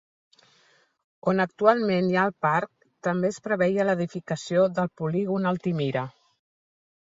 On actualment hi ha el parc també es preveia l'edificació del polígon Altimira.